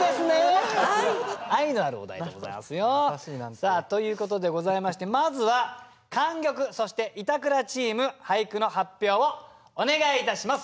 さあということでございましてまずは莟玉そして板倉チーム俳句の発表をお願いいたします。